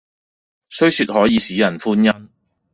雖說可以使人歡欣，